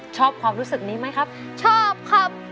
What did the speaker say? ชอบความรู้สึกนี้ไหมครับชอบครับ